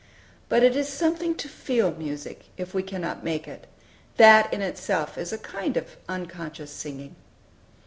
But it is something to feel music, if we cannot make it. That, in itself, is a kind of unconscious singing.